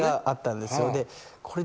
あったんですよ。